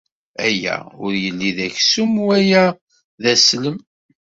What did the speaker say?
Aya ur yelli d aksum wala d aslem.